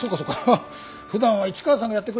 ふだんは市川さんがやってくれてるからねえ。